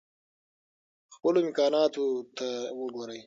خپلو امکاناتو ته وګورئ.